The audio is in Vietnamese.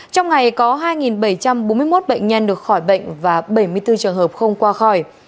trong ngày có hai bảy trăm bốn mươi một bệnh nhân được khỏi bệnh và bảy mươi bốn trường hợp không qua khỏi